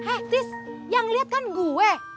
eh tis yang liat kan gue